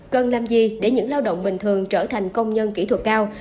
cần làm gì để những lao động bình thường trở thành công nhân kỹ thuật cao